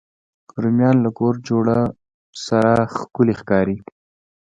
رومیان له کور جوړو سره ښکلي ښکاري